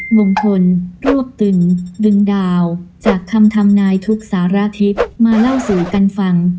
มงคลรวบตึงดึงดาวจากคำทำนายทุกสารทิศมาเล่าสู่กันฟัง